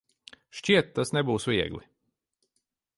Šķiet, tas nebūs viegli.